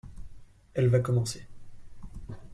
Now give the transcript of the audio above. Elle va commencer.